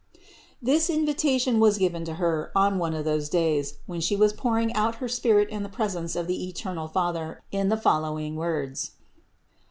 This invitation was given to Her, on one of those days, when She was 516 THE INCARNATION 517 pouring out her spirit in the presence of the eternal Father in the following words: 607.